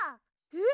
え？